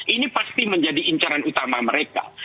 ini pasti menjadi incaran utama mereka